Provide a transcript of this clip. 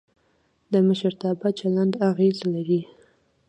د مشرتابه چلند اغېز لري